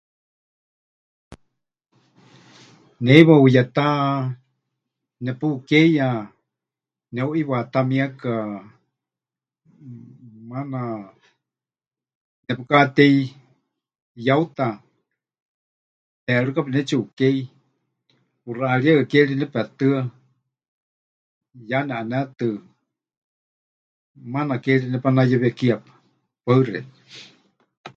Ne heiwa huyetá nepukeiya neheuʼiwaatámieka, maana nepɨkatéi yeuta, teerɨka pɨnetsiʼukei, ʼuxaʼarieka ke ri nepetɨa, ya neʼanétɨ, maana ke ri nepanayewe kiepa. Paɨ xeikɨ́a.